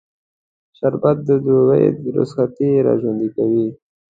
شربت د دوبی رخصتي راژوندي کوي